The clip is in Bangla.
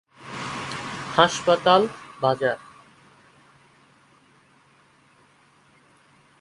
হাসপাতাল বাজার।